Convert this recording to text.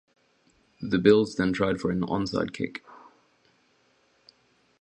The Bills then tried for an onside kick.